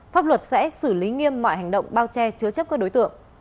pháp luật sẽ xử lý nghiêm mọi hành động bao che chứa chấp các đối tượng